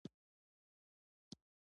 موږ و تاسې